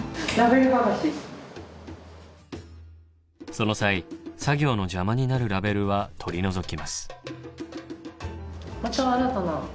その際作業の邪魔になるラベルは取り除きます。